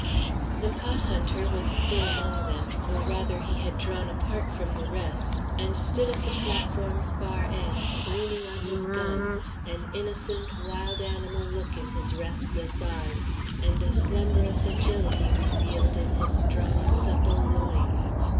The pot hunter was still among them; or rather, he had drawn apart from the rest, and stood at the platform's far end, leaning on his gun, an innocent, wild animal look in his restless eyes, and a slumberous agility revealed in his strong, supple loins.